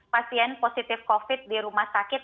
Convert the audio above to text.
pasien positif covid sembilan belas di rumah sakit